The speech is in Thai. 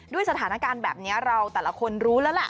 ด้วยสถานการณ์แบบนี้เราแต่ละคนรู้แล้วล่ะ